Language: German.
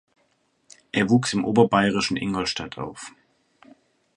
Er wuchs im oberbayerischen Ingolstadt auf.